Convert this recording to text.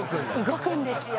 動くんですよ。